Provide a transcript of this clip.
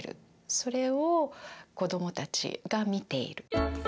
それを子どもたちが見ている。